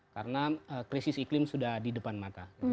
karena krisis iklim sudah di depan mata